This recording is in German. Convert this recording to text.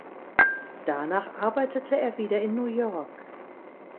Danach arbeitete er wieder in New York.